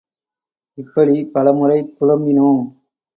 இப்படிப் பல முறை குழம்பினோம்.